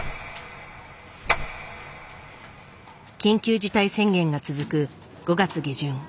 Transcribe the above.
緊急事態宣言が続く５月下旬